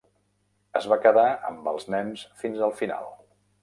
Es va quedar amb els nens fins al final.